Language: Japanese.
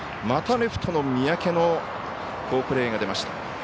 またレフトの三宅の好プレーが出ました。